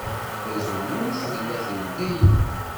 Tazewwut tella teldey.